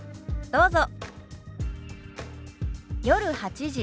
どうぞ。